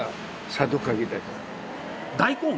大根！？